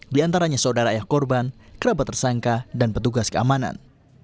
di antaranya saudara ayah korban kerabat tersangka dan petugas keamanan